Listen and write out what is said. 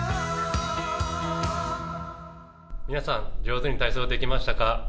皆さん、上手に体操できましたか？